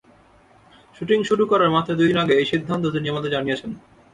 Shooting শুরু করার মাত্র দুই দিন আগে এই সিদ্ধান্ত তিনি আমাদের জানিয়েছেন।